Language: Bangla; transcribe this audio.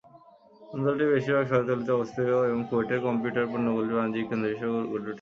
অঞ্চলটির বেশিরভাগ শহরতলিতে অবস্থিত এবং কুয়েতের কম্পিউটার পণ্যগুলির বাণিজ্যিক কেন্দ্র হিসাবে গড়ে উঠেছে।